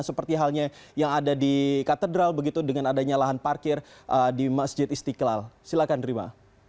seperti halnya yang ada di katedral begitu dengan adanya lahan parkir di masjid istiqlal silakan rima